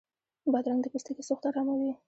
بادرنګ د پوستکي سوخت اراموي.